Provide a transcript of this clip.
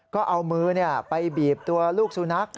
ก็เอามือไปบีบตัวลูกสุนัข